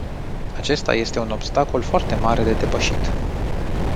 Acesta este un obstacol foarte mare de depășit.